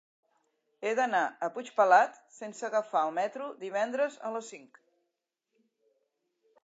He d'anar a Puigpelat sense agafar el metro divendres a les cinc.